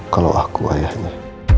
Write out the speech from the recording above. kalau aku ayahnya